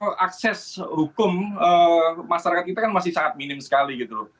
ya saya melihat akses hukum masyarakat kita kan masih sangat minim sekali gitu loh